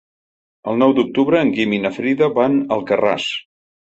El nou d'octubre en Guim i na Frida van a Alcarràs.